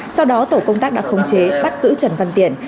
sau đó tổ công tác đã khống chế bắt giữ trần văn tiện